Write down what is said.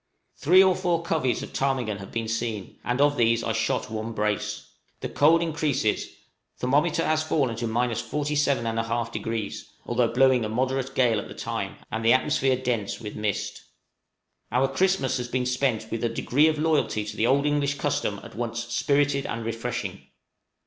Three or four coveys of ptarmigan have been seen, and of these I shot one brace. The cold increases: thermometer has fallen to 47 1/2°, although blowing a moderate gale at the time, and the atmosphere dense with mist. Our Christmas has been spent with a degree of loyalty to the good old English custom at once spirited and refreshing.